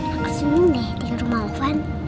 aku seneng deh tinggal rumah ovan